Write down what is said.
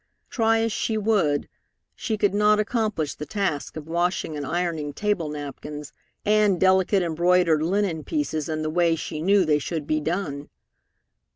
Try as she would, she could not accomplish the task of washing and ironing table napkins and delicate embroidered linen pieces in the way she knew they should be done.